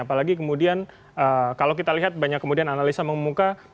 apalagi kemudian kalau kita lihat banyak kemudian analisa mengemuka